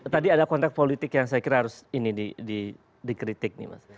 tadi ada konteks politik yang saya kira harus ini dikritik nih mas